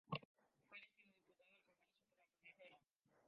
Fue elegido Diputado al Congreso por la provincia de Málaga.